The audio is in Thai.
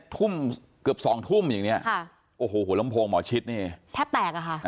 ทุ่มเกือบ๒ทุ่มอย่างนี้ค่ะโอ้โหหัวลำโพงหมอชิดนี่แทบแตกอะค่ะ